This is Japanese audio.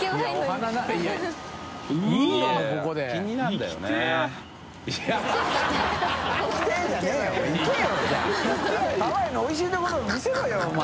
魯錺いおいしいところを見せろよお前。